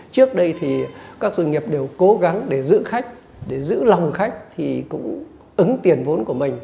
trước đây thì các doanh nghiệp đều cố gắng để giữ khách để giữ lòng khách thì cũng ứng tiền vốn của mình